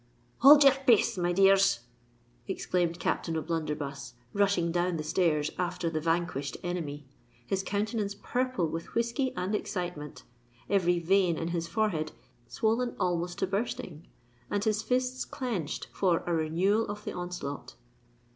"Hold your pace! my dears," exclaimed Captain O'Blunderbuss, rushing down the stairs after the vanquished enemy,—his countenance purple with whiskey and excitement—every vein in his forehead swollen almost to bursting—and his fists clenched for a renewal of the onslaught.